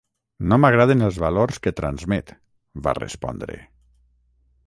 No m’agraden els valors que transmet, va respondre.